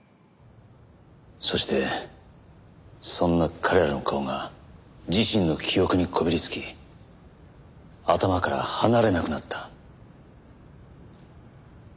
そしてそんな彼らの顔が自身の記憶にこびりつき頭から離れなくなった。